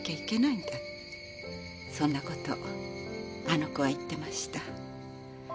そんなことあの子は言ってました。